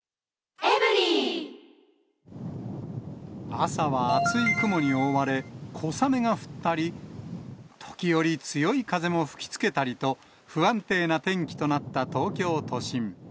朝は厚い雲に覆われ、小雨が降ったり、時折強い風も吹きつけたりと、不安定な天気となった東京都心。